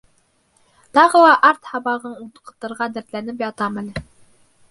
Тағы ла арт һабағын уҡытырға дәртләнеп ятам әле...